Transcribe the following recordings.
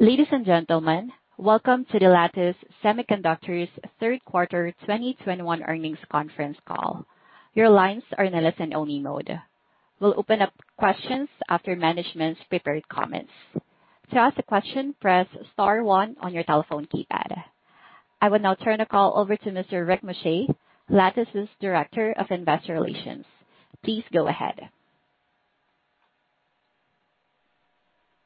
Ladies and gentlemen, welcome to the Lattice Semiconductor Third Quarter 2021 Earnings Conference Call. Your lines are in a listen only mode. We'll open up questions after management's prepared comments. To ask a question, press star one on your telephone keypad. I will now turn the call over to Mr. Rick Muscha, Lattice's Director of Investor Relations. Please go ahead.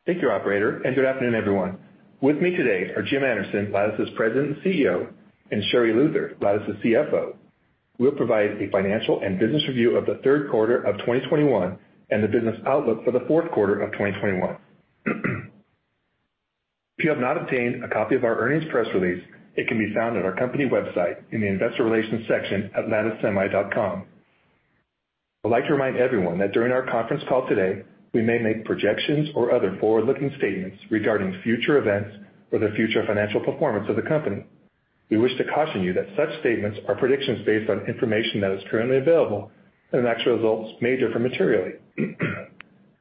Thank you, operator, and good afternoon, everyone. With me today are Jim Anderson, Lattice's President and CEO, and Sherri Luther, Lattice's CFO, who will provide a financial and business review of the third quarter of 2021 and the business outlook for the fourth quarter of 2021. If you have not obtained a copy of our earnings press release, it can be found on our company website in the Investor Relations section at latticesemi.com. I'd like to remind everyone that during our conference call today, we may make projections or other forward-looking statements regarding future events or the future financial performance of the company. We wish to caution you that such statements are predictions based on information that is currently available, and actual results may differ materially.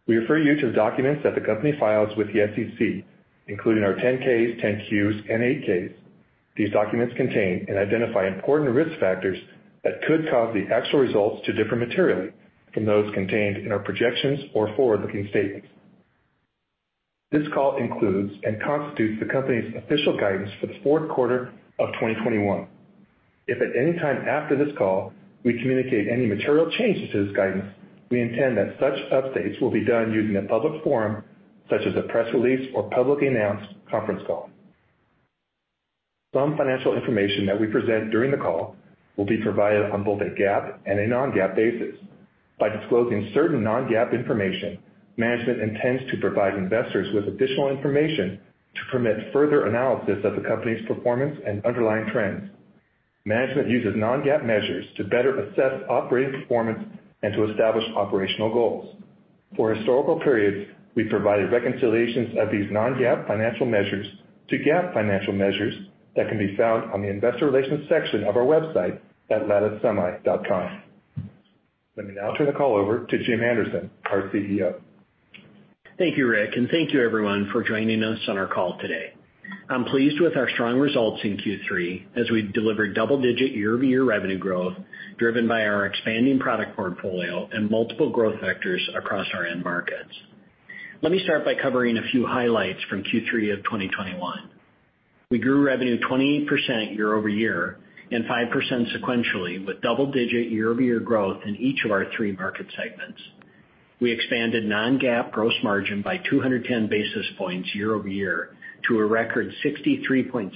We refer you to the documents that the company files with the SEC, including our 10-Ks, 10-Qs, and 8-Ks. These documents contain and identify important risk factors that could cause the actual results to differ materially from those contained in our projections or forward-looking statements. This call includes and constitutes the company's official guidance for the fourth quarter of 2021. If at any time after this call we communicate any material changes to this guidance, we intend that such updates will be done using a public forum such as a press release or publicly announced conference call. Some financial information that we present during the call will be provided on both a GAAP and a non-GAAP basis. By disclosing certain non-GAAP information, management intends to provide investors with additional information to permit further analysis of the company's performance and underlying trends. Management uses non-GAAP measures to better assess operating performance and to establish operational goals. For historical periods, we provided reconciliations of these non-GAAP financial measures to GAAP financial measures that can be found on the Investor Relations section of our website at latticesemi.com. Let me now turn the call over to Jim Anderson, our CEO. Thank you, Rick, and thank you everyone for joining us on our call today. I'm pleased with our strong results in Q3 as we delivered double-digit year-over-year revenue growth driven by our expanding product portfolio and multiple growth vectors across our end markets. Let me start by covering a few highlights from Q3 of 2021. We grew revenue 28% year-over-year and 5% sequentially with double-digit year-over-year growth in each of our three market segments. We expanded non-GAAP gross margin by 210 basis points year-over-year to a record 63.6%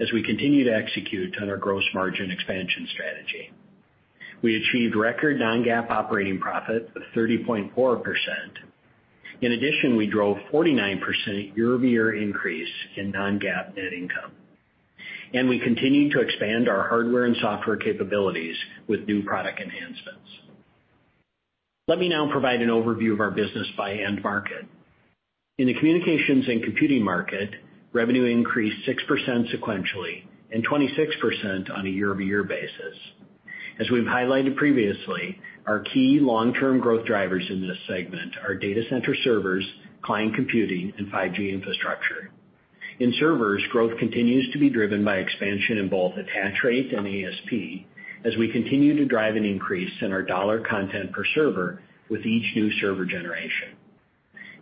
as we continue to execute on our gross margin expansion strategy. We achieved record non-GAAP operating profit of 30.4%. In addition, we drove 49% year-over-year increase in non-GAAP net income. We continued to expand our hardware and software capabilities with new product enhancements. Let me now provide an overview of our business by end market. In the Communications and Computing market, revenue increased 6% sequentially and 26% on a year-over-year basis. As we've highlighted previously, our key long-term growth drivers in this segment are data center servers, client computing, and 5G infrastructure. In servers, growth continues to be driven by expansion in both attach rate and ASP as we continue to drive an increase in our dollar content per server with each new server generation.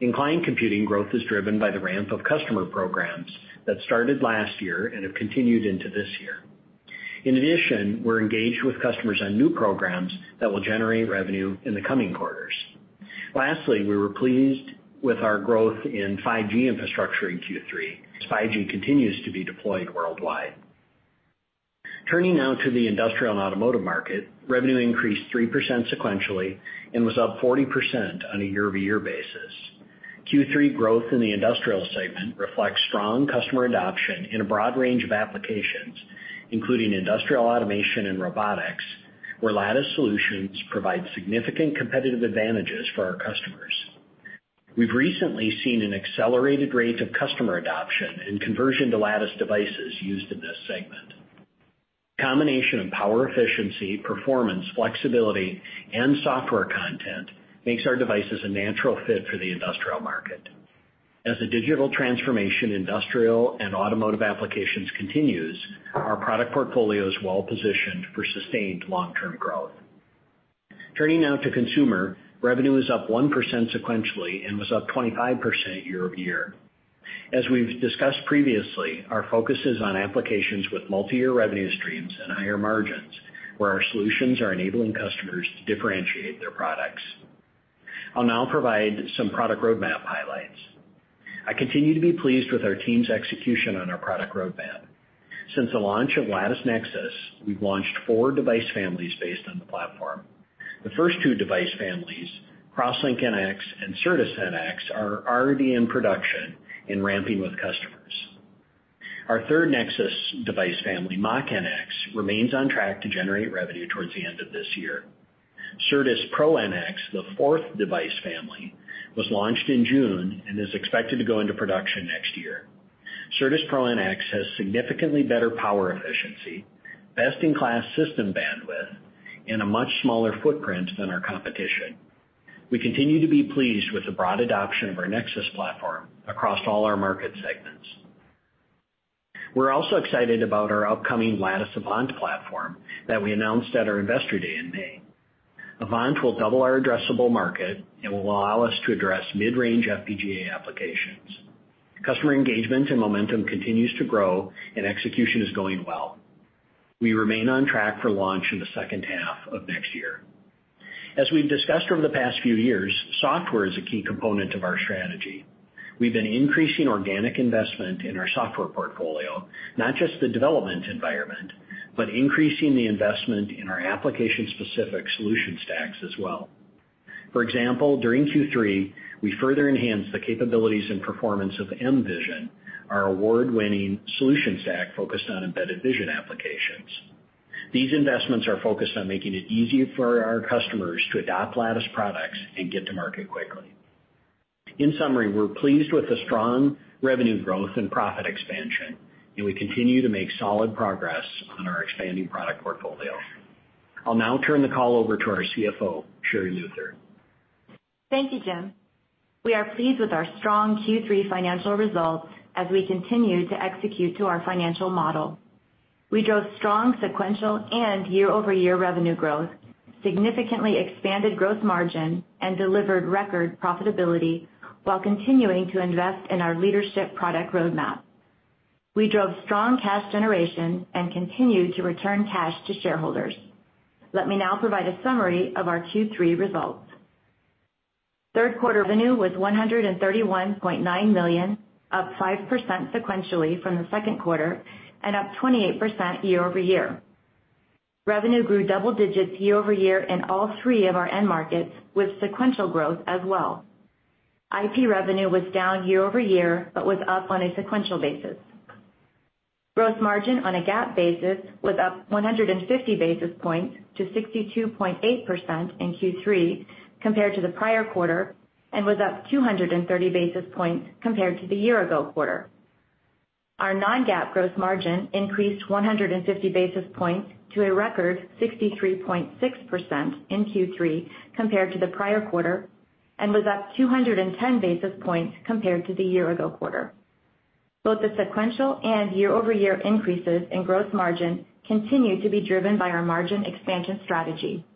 In Client Computing, growth is driven by the ramp of customer programs that started last year and have continued into this year. In addition, we're engaged with customers on new programs that will generate revenue in the coming quarters. Lastly, we were pleased with our growth in 5G infrastructure in Q3 as 5G continues to be deployed worldwide. Turning now to the Industrial and Automotive market, revenue increased 3% sequentially and was up 40% on a year-over-year basis. Q3 growth in the Industrial segment reflects strong customer adoption in a broad range of applications, including industrial automation and robotics, where Lattice solutions provide significant competitive advantages for our customers. We've recently seen an accelerated rate of customer adoption and conversion to Lattice devices used in this segment. Combination of power efficiency, performance, flexibility, and software content makes our devices a natural fit for the industrial market. As the digital transformation, industrial, and automotive applications continues, our product portfolio is well positioned for sustained long-term growth. Turning now to Consumer, revenue is up 1% sequentially and was up 25% year-over-year. As we've discussed previously, our focus is on applications with multi-year revenue streams and higher margins where our solutions are enabling customers to differentiate their products. I'll now provide some product roadmap highlights. I continue to be pleased with our team's execution on our product roadmap. Since the launch of Lattice Nexus, we've launched four device families based on the platform. The first two device families, CrossLink-NX and Certus-NX, are already in production and ramping with customers. Our third Nexus device family, Mach-NX, remains on track to generate revenue towards the end of this year. CertusPro-NX, the fourth device family, was launched in June and is expected to go into production next year. CertusPro-NX has significantly better power efficiency, best-in-class system bandwidth. In a much smaller footprint than our competition. We continue to be pleased with the broad adoption of our Nexus platform across all our market segments. We're also excited about our upcoming Lattice Avant platform that we announced at our Investor Day in May. Avant will double our addressable market and will allow us to address mid-range FPGA applications. Customer engagement and momentum continues to grow and execution is going well. We remain on track for launch in the second half of next year. As we've discussed over the past few years, software is a key component of our strategy. We've been increasing organic investment in our software portfolio, not just the development environment, but increasing the investment in our application-specific solution stacks as well. For example, during Q3, we further enhanced the capabilities and performance of mVision, our award-winning solution stack focused on embedded vision applications. These investments are focused on making it easier for our customers to adopt Lattice products and get to market quickly. In summary, we're pleased with the strong revenue growth and profit expansion, and we continue to make solid progress on our expanding product portfolio. I'll now turn the call over to our CFO, Sherri Luther. Thank you, Jim. We are pleased with our strong Q3 financial results as we continue to execute to our financial model. We drove strong sequential and year-over-year revenue growth, significantly expanded growth margin, and delivered record profitability, while continuing to invest in our leadership product roadmap. We drove strong cash generation and continued to return cash to shareholders. Let me now provide a summary of our Q3 results. Third quarter revenue was $131.9 million, up 5% sequentially from the second quarter and up 28% year-over-year. Revenue grew double digits year-over-year in all three of our end markets, with sequential growth as well. IP revenue was down year-over-year, but was up on a sequential basis. Gross margin on a GAAP basis was up 150 basis points to 62.8% in Q3 compared to the prior quarter, and was up 230 basis points compared to the year-ago quarter. Our non-GAAP gross margin increased 150 basis points to a record 63.6% in Q3 compared to the prior quarter, and was up 210 basis points compared to the year-ago quarter. Both the sequential and year-over-year increases in gross margin continue to be driven by our margin expansion strategy.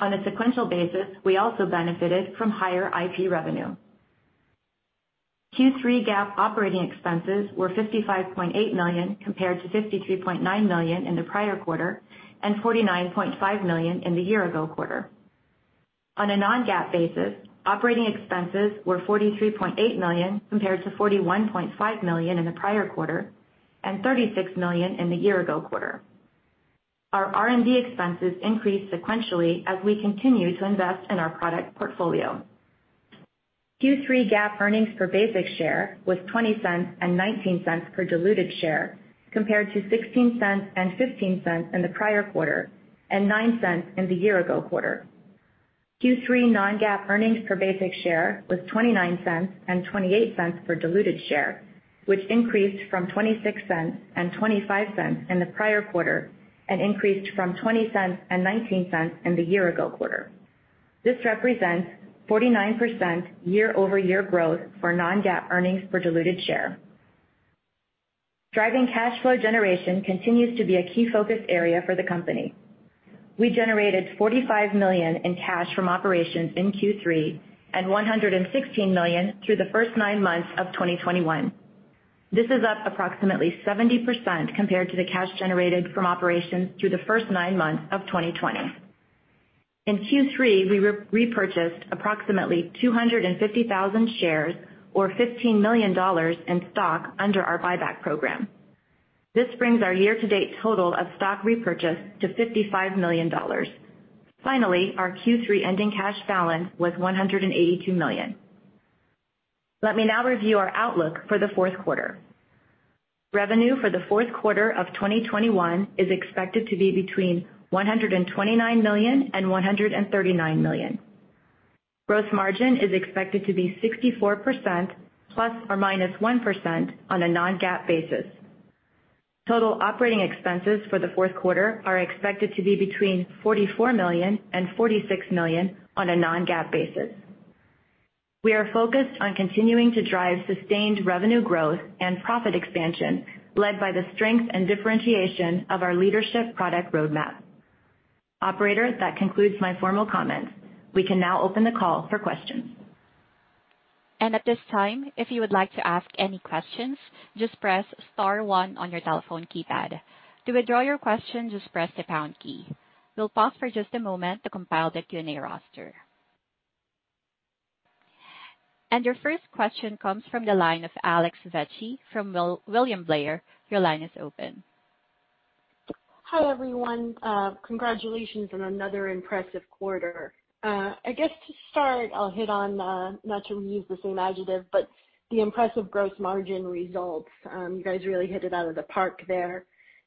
On a sequential basis, we also benefited from higher IP revenue. Q3 GAAP operating expenses were $55.8 million, compared to $52.9 million in the prior quarter and $49.5 million in the year-ago quarter. On a non-GAAP basis, operating expenses were $43.8 million, compared to $41.5 million in the prior quarter and $36 million in the year-ago quarter. Our R&D expenses increased sequentially as we continue to invest in our product portfolio. Q3 GAAP earnings per basic share was $0.20 and $0.19 per diluted share, compared to $0.16 and $0.15 in the prior quarter and $0.09 in the year-ago quarter. Q3 non-GAAP earnings per basic share was $0.29 and $0.28 per diluted share, which increased from $0.26 and $0.25 in the prior quarter and increased from $0.20 and $0.19 in the year-ago quarter. This represents 49% year-over-year growth for non-GAAP earnings per diluted share. Driving cash flow generation continues to be a key focus area for the company. We generated $45 million in cash from operations in Q3 and $116 million through the first nine months of 2021. This is up approximately 70% compared to the cash generated from operations through the first nine months of 2020. In Q3, we repurchased approximately 250,000 shares or $15 million in stock under our buyback program. This brings our year-to-date total of stock repurchase to $55 million. Finally, our Q3 ending cash balance was $182 million. Let me now review our outlook for the fourth quarter. Revenue for the fourth quarter of 2021 is expected to be between $129 million and $139 million. Gross margin is expected to be 64%, ± 1% on a non-GAAP basis. Total operating expenses for the fourth quarter are expected to be between $44 million and $46 million on a non-GAAP basis. We are focused on continuing to drive sustained revenue growth and profit expansion, led by the strength and differentiation of our leadership product roadmap. Operator, that concludes my formal comments. We can now open the call for questions. At this time, if you would like to ask any questions, just press star one on your telephone keypad. To withdraw your question, just press the pound key. We'll pause for just a moment to compile the Q&A roster. Your first question comes from the line of Alex Vecchi from William Blair. Your line is open. Hi, everyone. Congratulations on another impressive quarter. I guess to start, I'll hit on not to use the same adjective, but the impressive gross margin results. You guys really hit it out of the park there.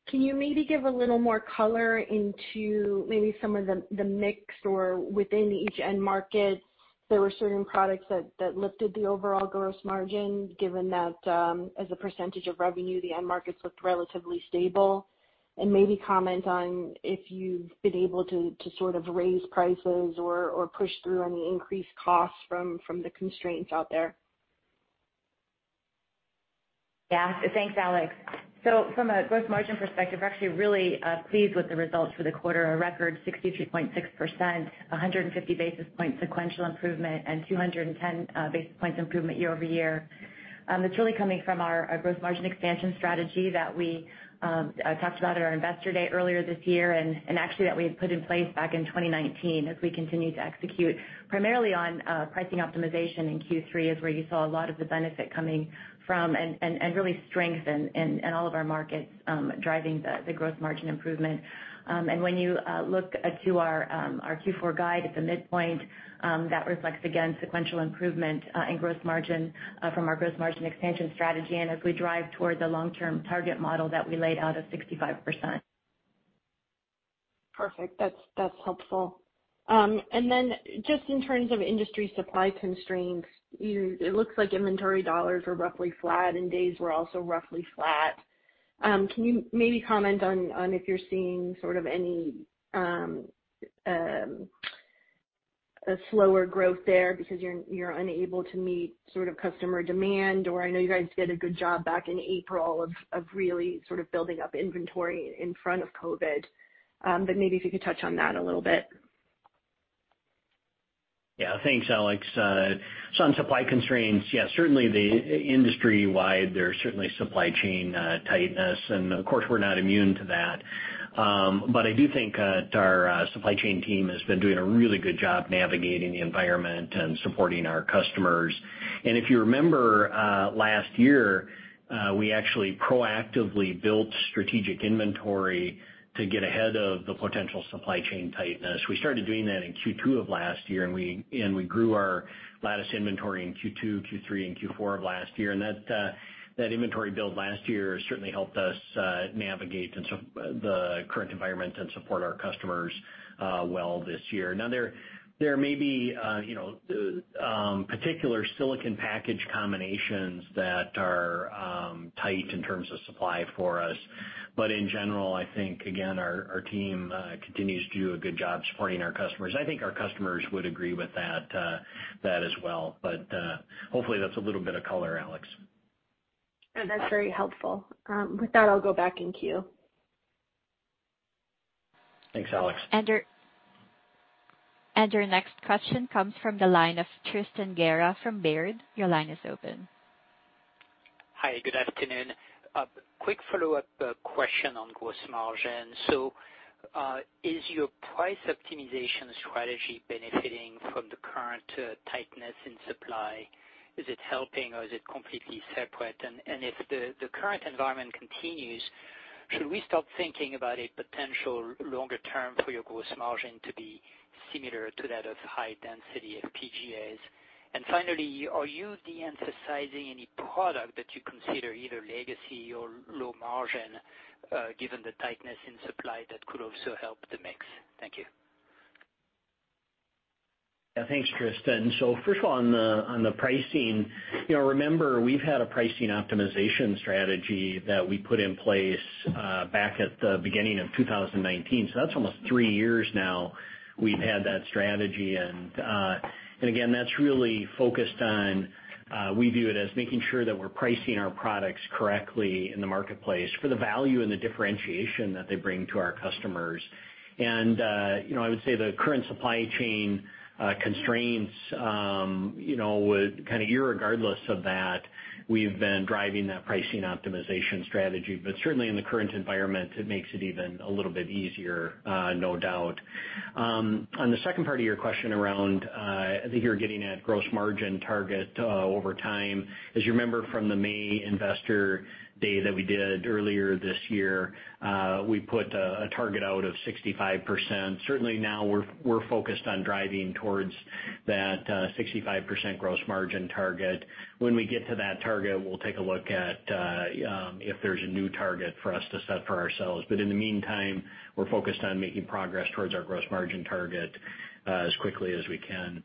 Can you maybe give a little more color into maybe some of the mix or within each end market? There were certain products that lifted the overall gross margin given that, as a percentage of revenue, the end markets looked relatively stable. Maybe comment on if you've been able to sort of raise prices or push through any increased costs from the constraints out there. Yeah. Thanks, Alex. From a gross margin perspective, we're actually really pleased with the results for the quarter. A record 63.6%, 150 basis point sequential improvement, and 210 basis points improvement year-over-year. It's really coming from our gross margin expansion strategy that we talked about at our Investor Day earlier this year, and actually that we had put in place back in 2019 as we continue to execute primarily on pricing optimization in Q3 is where you saw a lot of the benefit coming from, and really strength in all of our markets driving the gross margin improvement. When you look to our Q4 guide at the midpoint, that reflects again sequential improvement in gross margin from our gross margin expansion strategy, and as we drive towards a long-term target model that we laid out of 65%. Perfect. That's helpful. Just in terms of industry supply constraints, you know, it looks like inventory dollars were roughly flat and days were also roughly flat. Can you maybe comment on if you're seeing sort of any a slower growth there because you're unable to meet sort of customer demand or I know you guys did a good job back in April of really sort of building up inventory in front of COVID. Maybe if you could touch on that a little bit. Yeah. Thanks, Alex. So on supply constraints, yeah, certainly the industry-wide there's certainly supply chain tightness, and of course, we're not immune to that. But I do think our supply chain team has been doing a really good job navigating the environment and supporting our customers. If you remember, last year, we actually proactively built strategic inventory to get ahead of the potential supply chain tightness. We started doing that in Q2 of last year, and we grew our Lattice inventory in Q2, Q3, and Q4 of last year. That inventory build last year certainly helped us navigate and support the current environment and support our customers well this year. Now, there may be, you know, particular silicon package combinations that are tight in terms of supply for us. In general, I think, again, our team continues to do a good job supporting our customers. I think our customers would agree with that as well. Hopefully that's a little bit of color, Alex. No, that's very helpful. With that, I'll go back in queue. Thanks, Alex. Your next question comes from the line of Tristan Gerra from Baird. Your line is open. Hi. Good afternoon. Quick follow-up question on gross margin. Is your price optimization strategy benefiting from the current tightness in supply? Is it helping or is it completely separate? If the current environment continues, should we start thinking about a potential longer term for your gross margin to be similar to that of high density FPGAs? Finally, are you de-emphasizing any product that you consider either legacy or low margin, given the tightness in supply that could also help the mix? Thank you. Yeah. Thanks, Tristan. First of all, on the pricing, you know, remember, we've had a pricing optimization strategy that we put in place back at the beginning of 2019, so that's almost three years now we've had that strategy. And again, that's really focused on we view it as making sure that we're pricing our products correctly in the marketplace for the value and the differentiation that they bring to our customers. You know, I would say the current supply chain constraints, you know, kind of irregardless of that, we've been driving that pricing optimization strategy. Certainly in the current environment, it makes it even a little bit easier, no doubt. On the second part of your question around, I think you're getting at gross margin target over time. As you remember from the May Investor Day that we did earlier this year, we put a target out of 65%. Certainly now we're focused on driving towards that, 65% gross margin target. When we get to that target, we'll take a look at, if there's a new target for us to set for ourselves. In the meantime, we're focused on making progress towards our gross margin target, as quickly as we can.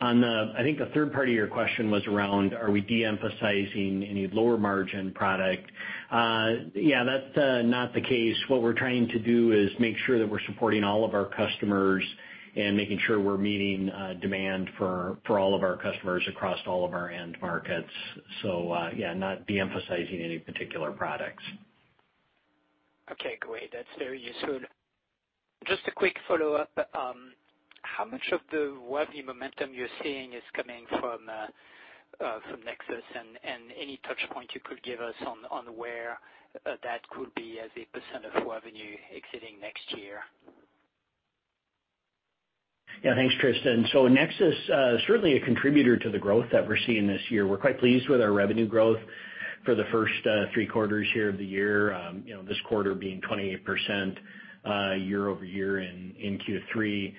I think the third part of your question was around, are we de-emphasizing any lower margin product? Yeah, that's not the case. What we're trying to do is make sure that we're supporting all of our customers and making sure we're meeting demand for all of our customers across all of our end markets. Yeah, not de-emphasizing any particular products. Okay, great. That's very useful. Just a quick follow-up. How much of the revenue momentum you're seeing is coming from Nexus? Any touch point you could give us on where that could be as a percent of revenue exiting next year. Yeah. Thanks, Tristan. Nexus certainly a contributor to the growth that we're seeing this year. We're quite pleased with our revenue growth for the first three quarters here of the year. You know, this quarter being 28% year-over-year in Q3.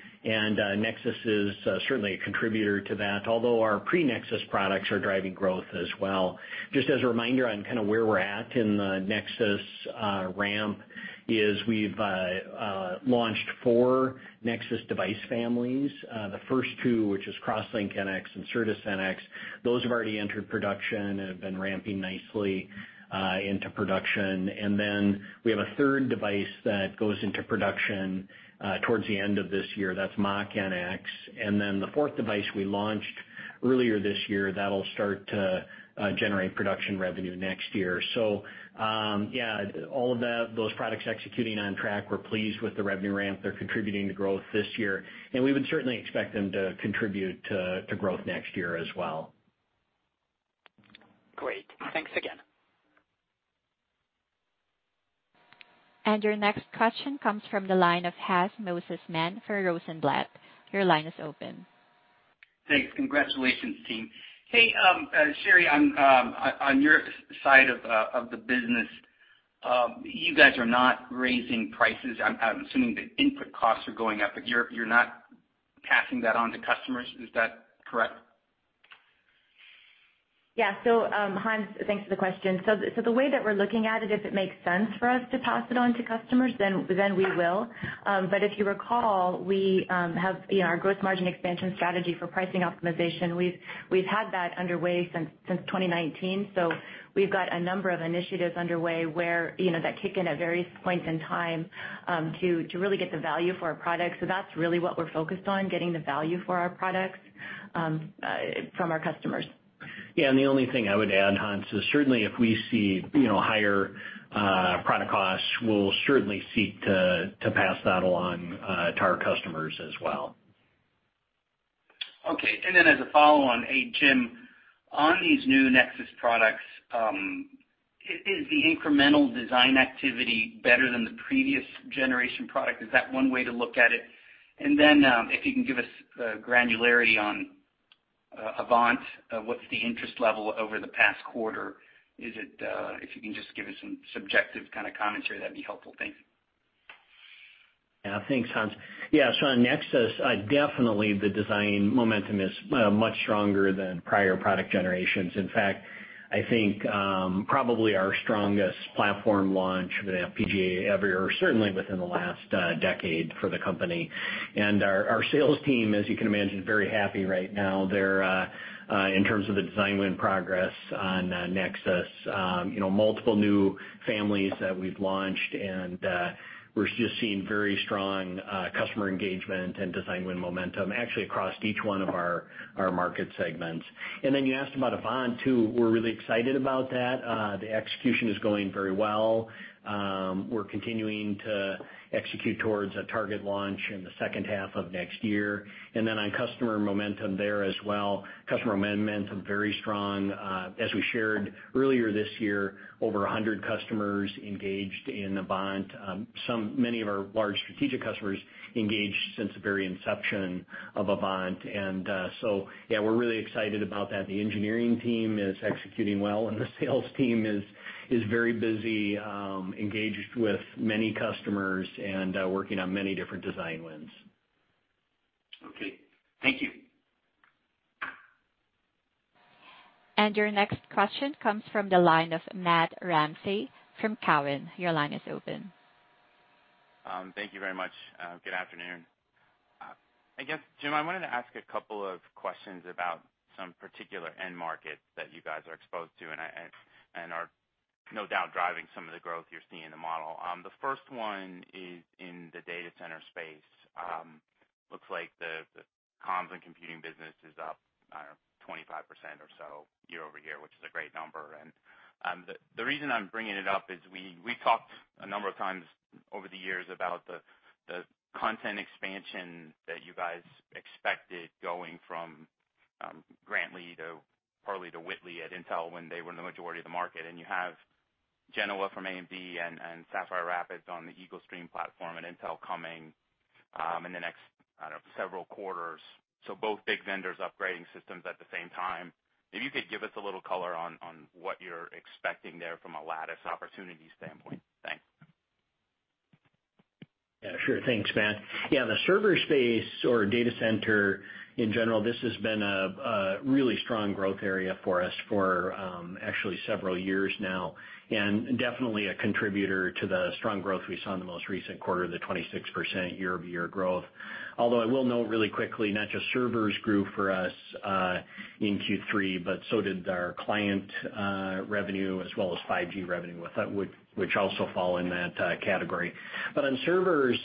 Nexus is certainly a contributor to that, although our pre-Nexus products are driving growth as well. Just as a reminder on kinda where we're at in the Nexus ramp, we've launched four Nexus device families. The first two, which is CrossLink-NX and Certus-NX, those have already entered production and have been ramping nicely. Then we have a third device that goes into production towards the end of this year. That's Mach-NX. The fourth device we launched earlier this year, that'll start to generate production revenue next year. Yeah, all of that, those products executing on track, we're pleased with the revenue ramp. They're contributing to growth this year, and we would certainly expect them to contribute to growth next year as well. Great. Thanks again. Your next question comes from the line of Hans Mosesmann for Rosenblatt. Your line is open. Thanks. Congratulations, team. Hey, Sherri, on your side of the business, you guys are not raising prices. I'm assuming the input costs are going up, but you're not passing that on to customers. Is that correct? Hans, thanks for the question. The way that we're looking at it, if it makes sense for us to pass it on to customers, then we will. But if you recall, we have, our growth margin expansion strategy for pricing optimization. We've had that underway since 2019, so we've got a number of initiatives underway where, you know, that kick in at various points in time, to really get the value for our products. That's really what we're focused on, getting the value for our products, from our customers. Yeah, the only thing I would add, Hans, is certainly if we see, you know, higher product costs, we'll certainly seek to pass that along to our customers as well. Okay. As a follow on, hey, Jim, on these new Nexus products, is the incremental design activity better than the previous generation product? Is that one way to look at it? If you can give us granularity on Avant, what's the interest level over the past quarter? If you can just give us some subjective kind of commentary, that'd be helpful. Thanks. Yeah. Thanks, Hans. Yeah, so on Nexus, definitely the design momentum is much stronger than prior product generations. In fact, I think, probably our strongest platform launch of an FPGA ever, or certainly within the last decade for the company. Our sales team, as you can imagine, is very happy right now. They're in terms of the design win progress on Nexus, you know, multiple new families that we've launched and we're just seeing very strong customer engagement and design win momentum actually across each one of our market segments. You asked about Avant too. We're really excited about that. The execution is going very well. We're continuing to execute towards a target launch in the second half of next year. On customer momentum there as well, very strong. As we shared earlier this year, over 100 customers engaged in Avant. Many of our large strategic customers engaged since the very inception of Avant. Yeah, we're really excited about that. The engineering team is executing well, and the sales team is very busy, engaged with many customers and working on many different design wins. Okay. Thank you. Your next question comes from the line of Matt Ramsay from Cowen. Your line is open. Thank you very much. Good afternoon. I guess, Jim, I wanted to ask a couple of questions about some particular end markets that you guys are exposed to and are no doubt driving some of the growth you're seeing in the model. The first one is in the data center space. Looks like the Comms and Computing business is up, I don't know, 25% or so year-over-year, which is a great number. The reason I'm bringing it up is we talked a number of times over the years about the content expansion that you guys expected going from Grantley to Purley to Whitley at Intel when they were in the majority of the market. You have Genoa from AMD and Sapphire Rapids on the Eagle Stream platform, and Intel coming in the next, I don't know, several quarters. Both big vendors upgrading systems at the same time. If you could give us a little color on what you're expecting there from a Lattice opportunity standpoint. Thanks. Yeah, sure. Thanks, Matt. Yeah, the server space or data center in general, this has been a really strong growth area for us for actually several years now, and definitely a contributor to the strong growth we saw in the most recent quarter, the 26% year-over-year growth. Although I will note really quickly, not just servers grew for us in Q3, but so did our client revenue as well as 5G revenue with that, which also fall in that category. On servers,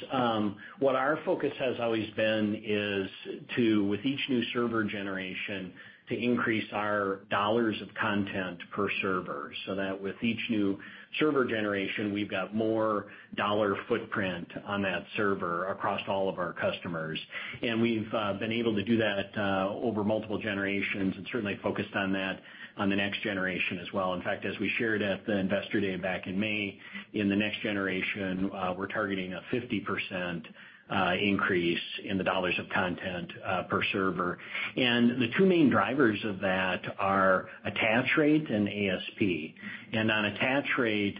what our focus has always been is to, with each new server generation, to increase our dollars of content per server, so that with each new server generation, we've got more dollar footprint on that server across all of our customers. We've been able to do that over multiple generations and certainly focused on that on the next generation as well. In fact, as we shared at the Investor Day back in May, in the next generation, we're targeting a 50% increase in the dollars of content per server. The two main drivers of that are attach rate and ASP. On attach rate,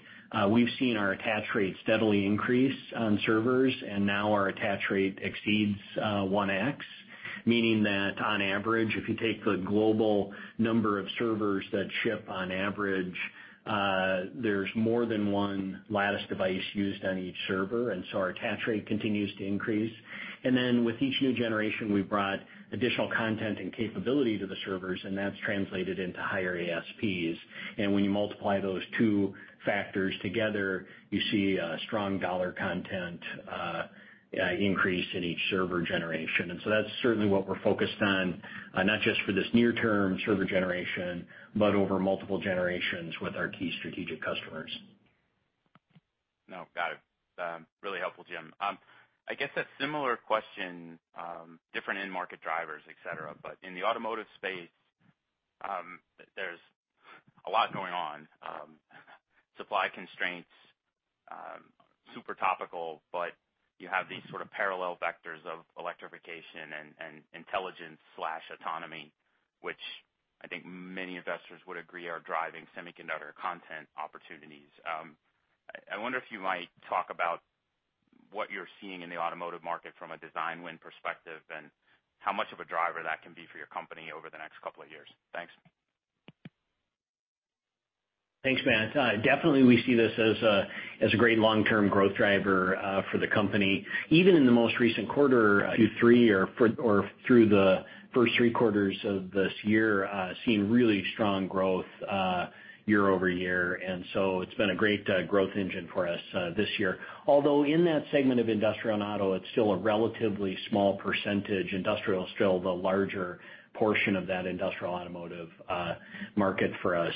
we've seen our attach rate steadily increase on servers, and now our attach rate exceeds 1x, meaning that on average, if you take the global number of servers that ship on average, there's more than one Lattice device used on each server, and so our attach rate continues to increase. Then with each new generation, we've brought additional content and capability to the servers, and that's translated into higher ASPs. When you multiply those two factors together, you see a strong dollar content increase in each server generation. That's certainly what we're focused on, not just for this near-term server generation, but over multiple generations with our key strategic customers. No, got it. Really helpful, Jim. I guess a similar question, different end market drivers, et cetera. In the automotive space, there's a lot going on. Supply constraints, super topical, but you have these sort of parallel vectors of electrification and intelligence slash autonomy, which I think many investors would agree are driving semiconductor content opportunities. I wonder if you might talk about what you're seeing in the automotive market from a design win perspective and how much of a driver that can be for your company over the next couple of years. Thanks. Thanks, Matt. Definitely we see this as a great long-term growth driver for the company. Even in the most recent quarter, Q3 through the first three quarters of this year, we've seen really strong growth year-over-year. It's been a great growth engine for us this year. Although in that segment of Industrial and Auto, it's still a relatively small percentage. Industrial is still the larger portion of that Industrial Automotive market for us.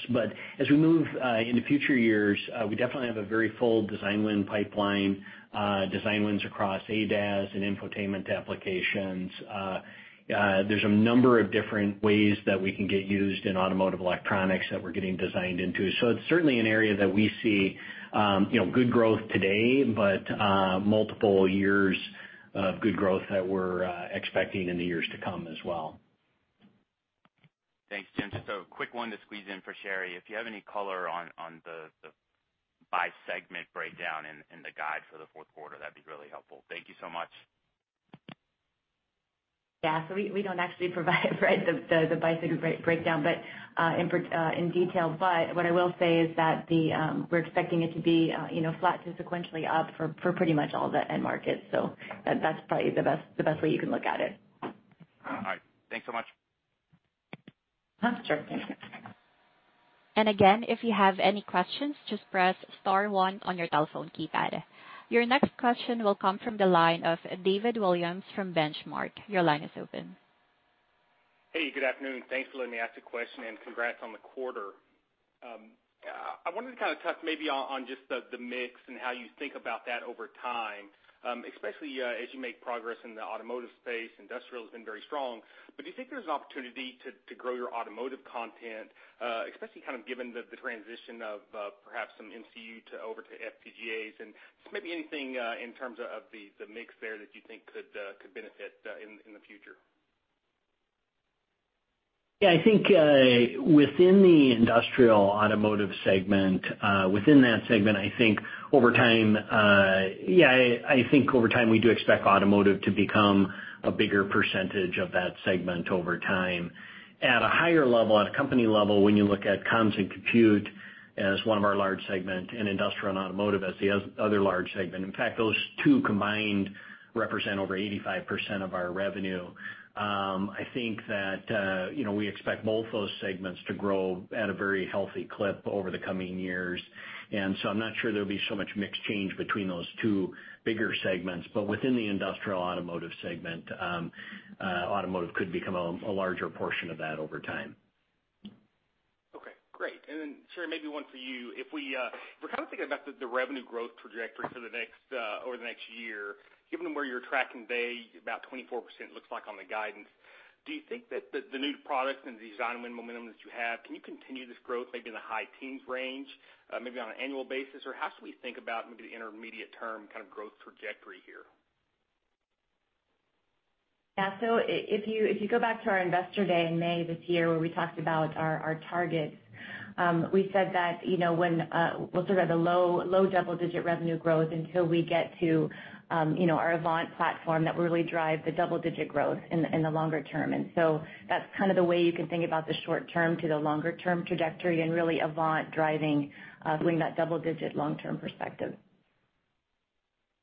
As we move into future years, we definitely have a very full design win pipeline, design wins across ADAS and infotainment applications. There's a number of different ways that we can get used in automotive electronics that we're getting designed into. It's certainly an area that we see, you know, good growth today, but multiple years of good growth that we're expecting in the years to come as well. Thanks, Jim. Just a quick one to squeeze in for Sherri. If you have any color on the by segment breakdown in the guide for the fourth quarter, that'd be really helpful. Thank you so much. Yeah. We don't actually provide, right, the by segment breakdown, but in detail. What I will say is that we're expecting it to be, you know, flat to sequentially up for pretty much all the end markets. That's probably the best way you can look at it. All right. Thanks so much. Sure. Again, if you have any questions, just press star one on your telephone keypad. Your next question will come from the line of David Williams from Benchmark. Your line is open. Hey, good afternoon. Thanks for letting me ask a question, and congrats on the quarter. I wanted to kind of touch maybe on just the mix and how you think about that over time, especially as you make progress in the automotive space. Industrial has been very strong. Do you think there's an opportunity to grow your automotive content, especially kind of given the transition of perhaps some MCU over to FPGAs? Just maybe anything in terms of the mix there that you think could benefit in the future. Yeah. I think within the Industrial Automotive segment, within that segment I think over time, yeah, I think overtime we do expect automotive to become a bigger percentage of that segment over time. At a higher level, at a company level, when you look at Comms and Compute as one of our large segment and Industrial and Automotive as the other large segment, in fact, those two combined represent over 85% of our revenue. I think that, you know, we expect both those segments to grow at a very healthy clip over the coming years. I'm not sure there'll be so much mix change between those two bigger segments. Within the Industrial Automotive segment, Automotive could become a larger portion of that over time. Okay, great. Then Sherri, maybe one for you. If we're kind of thinking about the revenue growth trajectory for the next, over the next year. Given where you're tracking day, about 24% looks like on the guidance. Do you think that the new products and the design win momentum that you have can you continue this growth maybe in the high teens range, maybe on an annual basis? Or how should we think about maybe the intermediate term kind of growth trajectory here? Yeah. If you go back to our Investor Day in May this year, where we talked about our targets, we said that, you know, when we'll sort of have the low double-digit revenue growth until we get to, you know, our Avant platform that will really drive the double-digit growth in the longer term. That's kind of the way you can think about the short-term to the longer-term trajectory and really Avant driving doing that double-digit long-term perspective.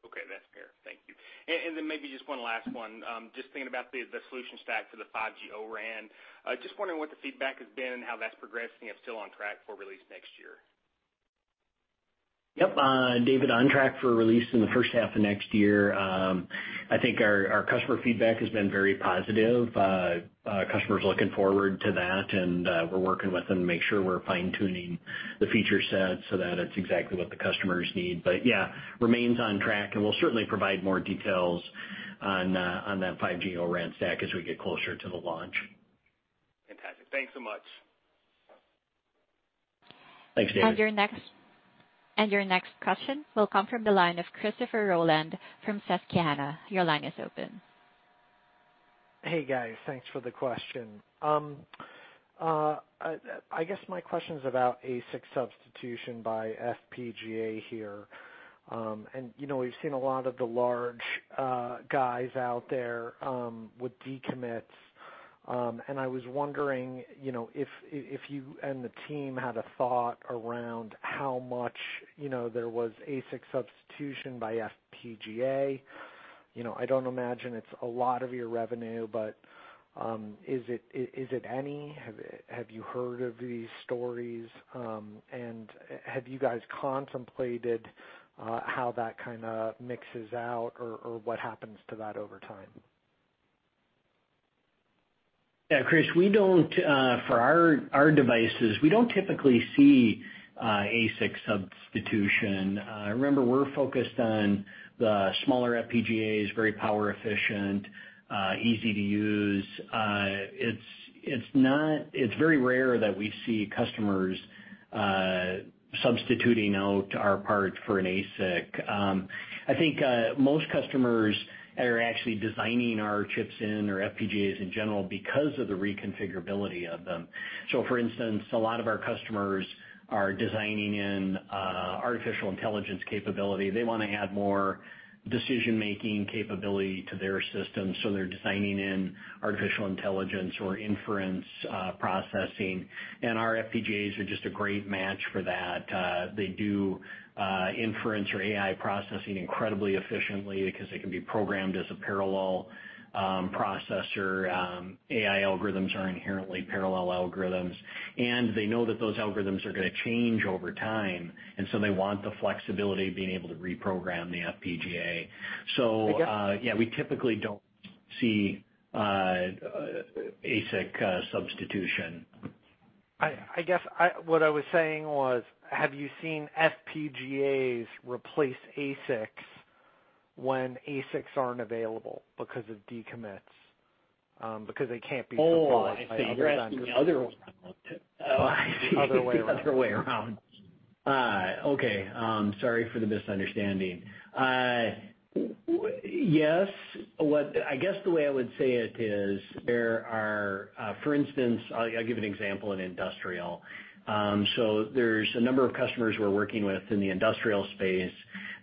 Okay. That's fair. Thank you. Then maybe just one last one. Just thinking about the solution stack for the 5G ORAN. Just wondering what the feedback has been and how that's progressing if still on track for release next year. Yep, David, on track for release in the first half of next year. I think our customer feedback has been very positive. Our customer's looking forward to that, and we're working with them to make sure we're fine-tuning the feature set so that it's exactly what the customers need. Yeah, remains on track, and we'll certainly provide more details on that 5G ORAN stack as we get closer to the launch. Fantastic. Thanks so much. Thanks, David. Your next question will come from the line of Christopher Rolland from Susquehanna. Your line is open. Hey, guys. Thanks for the question. I guess my question is about ASIC substitution by FPGA here. You know, we've seen a lot of the large guys out there with decommits. I was wondering, you know, if you and the team had a thought around how much, you know, there was ASIC substitution by FPGA. You know, I don't imagine it's a lot of your revenue, but is it any? Have you heard of these stories? Have you guys contemplated how that kind of mixes out or what happens to that over time? Yeah, Chris, we don't for our devices, we don't typically see ASIC substitution. Remember, we're focused on the smaller FPGAs, very power efficient, easy to use. It's very rare that we see customers substituting out our part for an ASIC. I think most customers are actually designing our chips in or FPGAs in general because of the reconfigurability of them. For instance, a lot of our customers are designing in artificial intelligence capability. They wanna add more decision-making capability to their system, so they're designing in artificial intelligence or inference processing. Our FPGAs are just a great match for that. They do inference or AI processing incredibly efficiently because they can be programmed as a parallel processor. AI algorithms are inherently parallel algorithms, and they know that those algorithms are gonna change over time, and so they want the flexibility of being able to reprogram the FPGA. I guess- Yeah, we typically don't see ASIC substitution. I guess what I was saying was, have you seen FPGAs replace ASICs when ASICs aren't available because of decommits because they can't be supplied by other vendors? Oh, I see. The other way around. Other way around. The other way around. Okay. Sorry for the misunderstanding. Yes. What, I guess, the way I would say it is there are, for instance, I'll give an example in Industrial. So there's a number of customers we're working with in the industrial space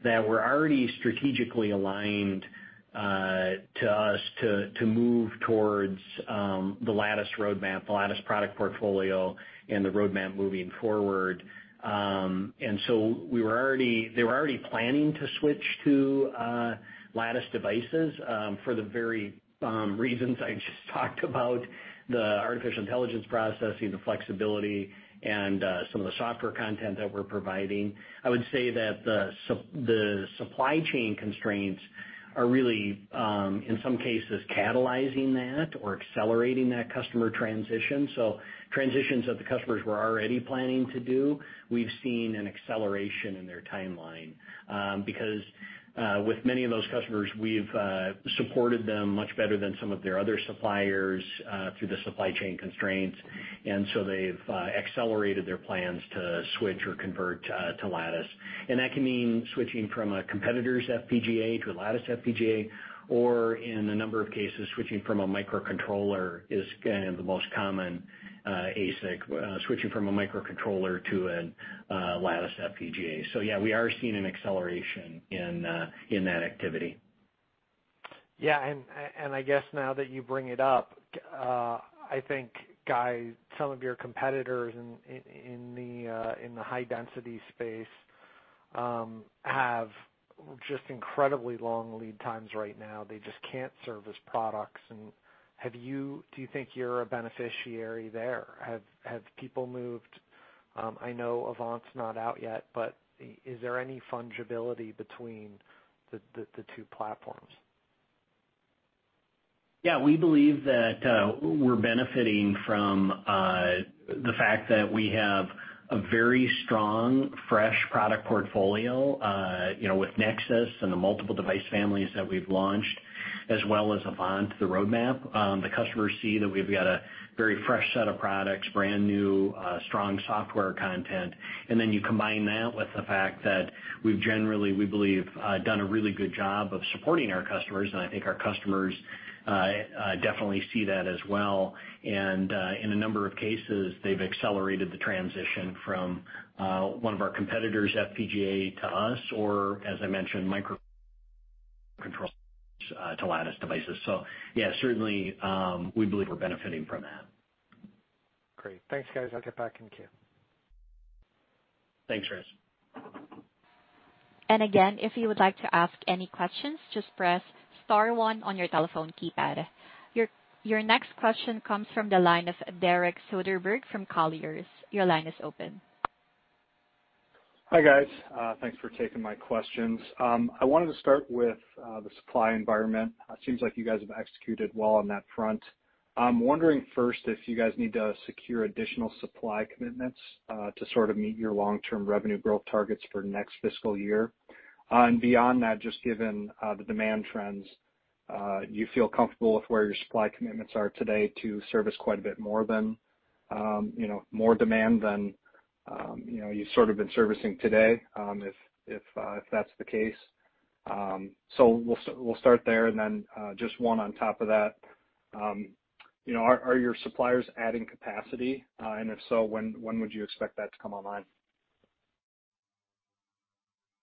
that were already strategically aligned, to us to move towards, the Lattice roadmap, the Lattice product portfolio and the roadmap moving forward. And so they were already planning to switch to, Lattice devices, for the very reasons I just talked about, the artificial intelligence processing, the flexibility and, some of the software content that we're providing. I would say that the supply chain constraints are really, in some cases, catalyzing that or accelerating that customer transition. Transitions that the customers were already planning to do, we've seen an acceleration in their timeline, because with many of those customers, we've supported them much better than some of their other suppliers through the supply chain constraints. They've accelerated their plans to switch or convert to Lattice. That can mean switching from a competitor's FPGA to a Lattice FPGA, or in a number of cases, switching from a microcontroller is kind of the most common ASIC, switching from a microcontroller to a Lattice FPGA. Yeah, we are seeing an acceleration in that activity. Yeah. I guess now that you bring it up, I think, guy, some of your competitors in the high density space have just incredibly long lead times right now. They just can't service products. Do you think you're a beneficiary there? Have people moved? I know Avant's not out yet, but is there any fungibility between the two platforms? Yeah. We believe that we're benefiting from the fact that we have a very strong, fresh product portfolio, you know, with Nexus and the multiple device families that we've launched, as well as Avant, the roadmap. The customers see that we've got a very fresh set of products, brand new, strong software content. You combine that with the fact that we've generally, we believe, done a really good job of supporting our customers, and I think our customers definitely see that as well. In a number of cases, they've accelerated the transition from one of our competitors' FPGA to us, or as I mentioned, microcontrollers to Lattice devices. Yeah, certainly, we believe we're benefiting from that. Great. Thanks, guys. I'll get back in queue. Thanks, Chris. Again, if you would like to ask any questions, just press star one on your telephone keypad. Your next question comes from the line of Derek Soderberg from Colliers. Your line is open. Hi, guys. Thanks for taking my questions. I wanted to start with the supply environment. It seems like you guys have executed well on that front. I'm wondering first if you guys need to secure additional supply commitments to sort of meet your long-term revenue growth targets for next fiscal year. Beyond that, just given the demand trends, do you feel comfortable with where your supply commitments are today to service quite a bit more than, you know, more demand than, you know, you've sort of been servicing today, if that's the case? We'll start there, and then just one on top of that. You know, are your suppliers adding capacity? And if so, when would you expect that to come online?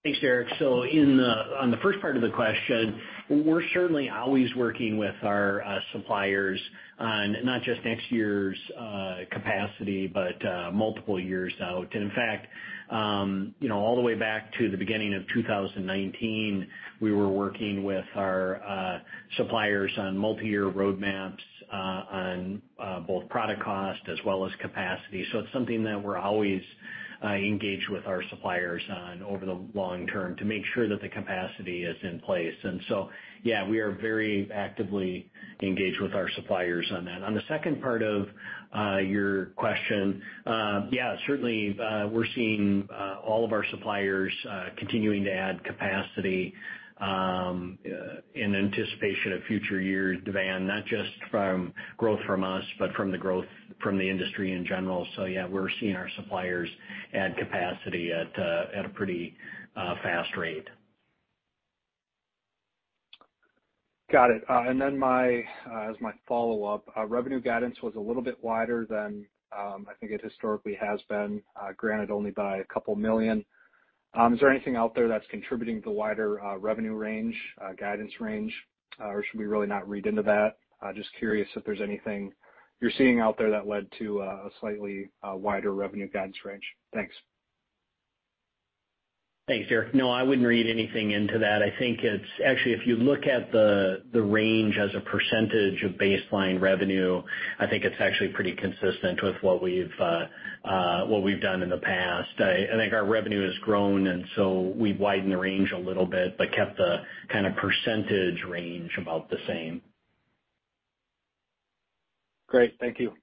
Thanks, Derek. In on the first part of the question, we're certainly always working with our suppliers on not just next year's capacity, but multiple years out. In fact, you know, all the way back to the beginning of 2019, we were working with our suppliers on multiyear roadmaps on both product cost as well as capacity. It's something that we're always engaged with our suppliers on over the long term to make sure that the capacity is in place. Yeah, we are very actively engaged with our suppliers on that. On the second part of your question, yeah, certainly, we're seeing all of our suppliers continuing to add capacity in anticipation of future years' demand, not just from growth from us, but from the growth from the industry in general. Yeah, we're seeing our suppliers add capacity at a pretty fast rate. Got it. As my follow-up, revenue guidance was a little bit wider than I think it historically has been, granted only by a couple million. Is there anything out there that's contributing to the wider revenue range, guidance range? Should we really not read into that? Just curious if there's anything you're seeing out there that led to a slightly wider revenue guidance range. Thanks. Thanks, Derek. No, I wouldn't read anything into that. I think it's actually, if you look at the range as a percentage of baseline revenue, I think it's actually pretty consistent with what we've done in the past. I think our revenue has grown, and so we've widened the range a little bit, but kept the kind of percentage range about the same. Great. Thank you.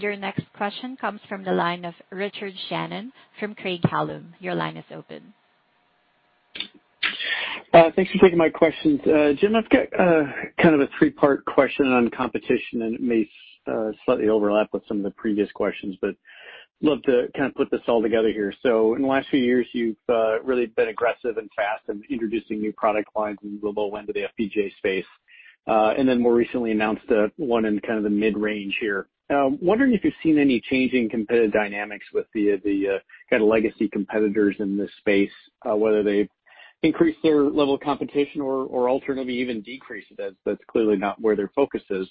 Your next question comes from the line of Richard Shannon from Craig-Hallum. Your line is open. Thanks for taking my questions. Jim, I've got kind of a three-part question on competition, and it may slightly overlap with some of the previous questions, but love to kind of put this all together here. In the last few years, you've really been aggressive and fast in introducing new product lines in the low end of the FPGA space, and then more recently announced one in kind of the mid-range here. Wondering if you've seen any change in competitive dynamics with the kind of legacy competitors in this space, whether they've increased their level of competition or alternatively even decreased it. That's clearly not where their focus is.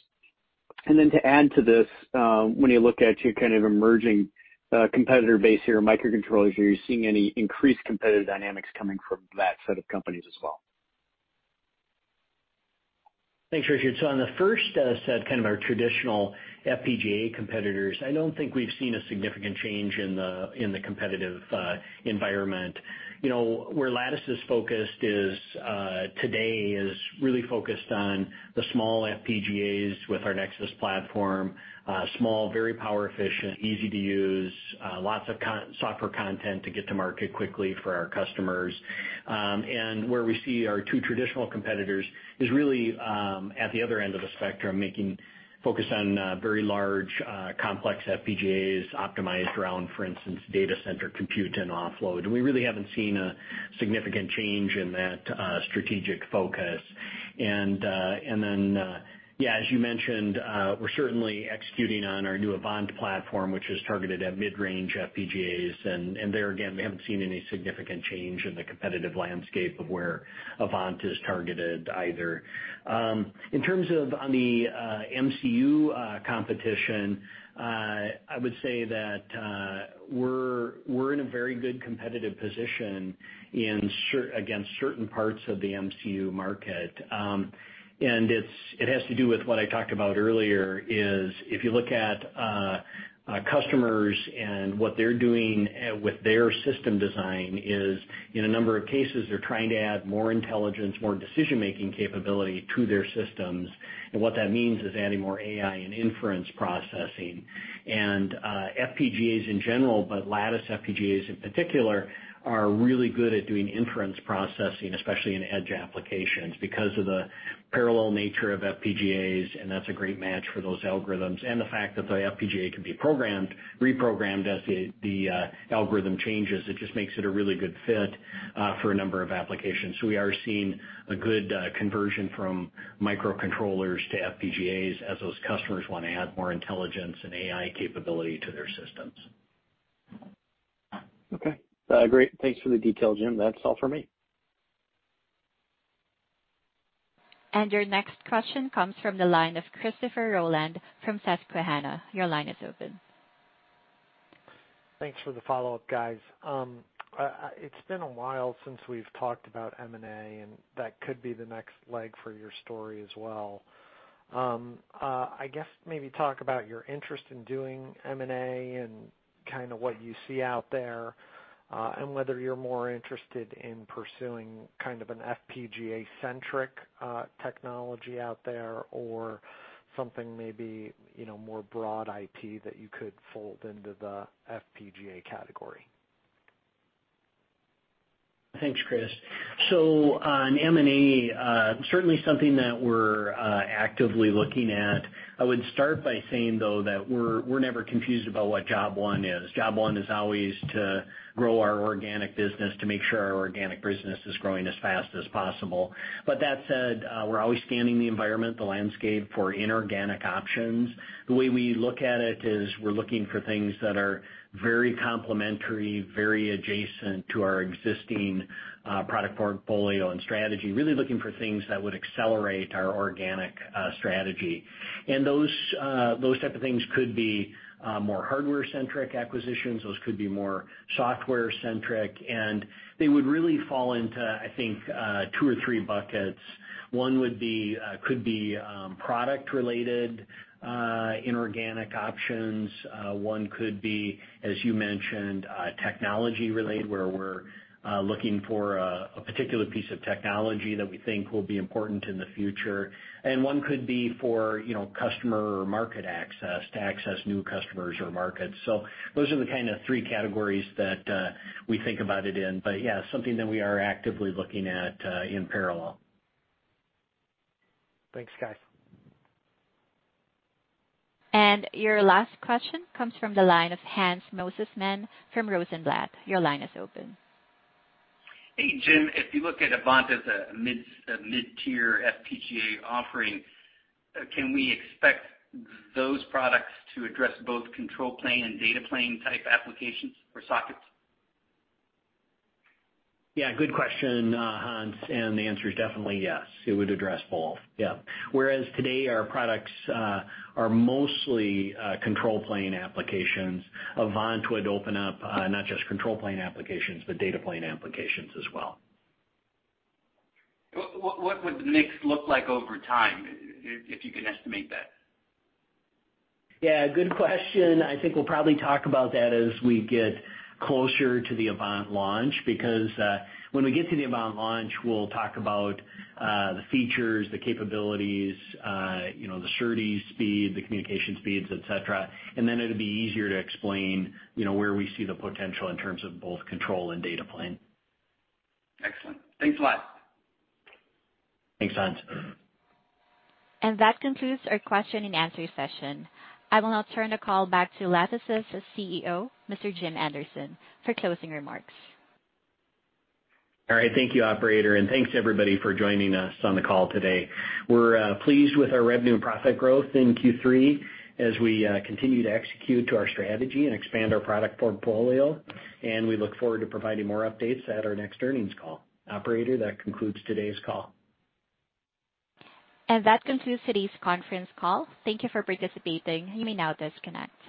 To add to this, when you look at your kind of emerging competitor base here in microcontrollers, are you seeing any increased competitive dynamics coming from that set of companies as well? Thanks, Richard. On the first set, kind of our traditional FPGA competitors, I don't think we've seen a significant change in the competitive environment. You know, where Lattice is focused today is really on the small FPGAs with our Nexus platform, small, very power efficient, easy to use, lots of software content to get to market quickly for our customers. Where we see our two traditional competitors is really at the other end of the spectrum, mainly focus on very large, complex FPGAs optimized around, for instance, data center compute and offload. We really haven't seen a significant change in that strategic focus. As you mentioned, we're certainly executing on our new Avant platform, which is targeted at mid-range FPGAs. There again, we haven't seen any significant change in the competitive landscape of where Avant is targeted either. In terms of the MCU competition, I would say that we're in a very good competitive position against certain parts of the MCU market. And it has to do with what I talked about earlier. If you look at customers and what they're doing with their system design, in a number of cases, they're trying to add more intelligence, more decision-making capability to their systems. What that means is adding more AI and inference processing. FPGAs in general, but Lattice FPGAs, in particular, are really good at doing inference processing, especially in edge applications because of the parallel nature of FPGAs, and that's a great match for those algorithms. The fact that the FPGA can be programmed, reprogrammed as the algorithm changes, it just makes it a really good fit, for a number of applications. We are seeing a good conversion from microcontrollers to FPGAs as those customers wanna add more intelligence and AI capability to their systems. Okay. Great. Thanks for the detail, Jim. That's all for me. Your next question comes from the line of Christopher Rolland from Susquehanna. Your line is open. Thanks for the follow-up, guys. It's been a while since we've talked about M&A, and that could be the next leg for your story as well. I guess maybe talk about your interest in doing M&A and kinda what you see out there, and whether you're more interested in pursuing kind of an FPGA-centric technology out there or something maybe, you know, more broad IP that you could fold into the FPGA category. Thanks, Chris. On M&A, certainly something that we're actively looking at. I would start by saying, though, that we're never confused about what job one is. Job one is always to grow our organic business to make sure our organic business is growing as fast as possible. That said, we're always scanning the environment, the landscape for inorganic options. The way we look at it is we're looking for things that are very complementary, very adjacent to our existing product portfolio and strategy, really looking for things that would accelerate our organic strategy. Those type of things could be more hardware-centric acquisitions. Those could be more software-centric, and they would really fall into, I think, two or three buckets. One would be product related inorganic options. One could be, as you mentioned, technology related, where we're looking for a particular piece of technology that we think will be important in the future. One could be for, you know, customer or market access to new customers or markets. Those are the kind of three categories that we think about it in. Yeah, something that we are actively looking at in parallel. Thanks, guys. Your last question comes from the line of Hans Mosesmann from Rosenblatt. Your line is open. Hey, Jim. If you look at Avant as a mid-tier FPGA offering, can we expect those products to address both control plane and data plane type applications for sockets? Yeah, good question, Hans. The answer is definitely yes. It would address both. Yeah. Whereas today our products are mostly control plane applications. Avant would open up not just control plane applications, but data plane applications as well. What would the mix look like over time, if you can estimate that? Yeah, good question. I think we'll probably talk about that as we get closer to the Avant launch, because, when we get to the Avant launch, we'll talk about, the features, the capabilities, you know, the SerDes speed, the communication speeds, et cetera. It'll be easier to explain, you know, where we see the potential in terms of both control and data plane. Excellent. Thanks a lot. Thanks, Hans. That concludes our question and answer session. I will now turn the call back to Lattice's CEO, Mr. Jim Anderson, for closing remarks. All right. Thank you, operator, and thanks everybody for joining us on the call today. We're pleased with our revenue and profit growth in Q3 as we continue to execute to our strategy and expand our product portfolio, and we look forward to providing more updates at our next earnings call. Operator, that concludes today's call. That concludes today's conference call. Thank you for participating. You may now disconnect.